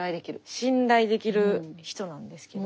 信頼できる人なんですけど。